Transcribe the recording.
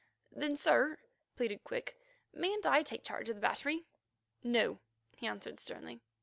"Then, sir," pleaded Quick, "mayn't I take charge of the battery?" "No," he answered sternly.